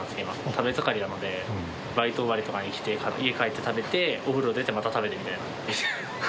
食べ盛りなので、バイト終わりとかに来て、家帰って食べて、お風呂出てまた食べてみたいな。